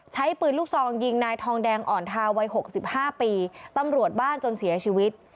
ใช้ปืนลูกซองยิงนายทองแดงอ่อนทาวัย๖๕ปีตำรวจบ้านจนเสียชีวิต